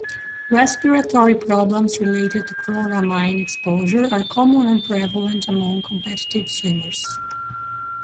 Respiratory problems related to chloramine exposure are common and prevalent among competitive swimmers.